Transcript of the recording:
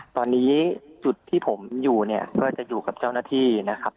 ตอนนี้จุดที่ผมอยู่เนี่ยก็จะอยู่กับเจ้าหน้าที่นะครับ